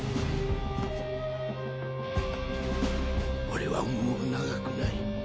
俺はもう長くない。